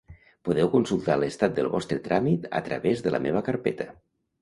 Podeu consultar l'estat del vostre tràmit a través de La Meva Carpeta.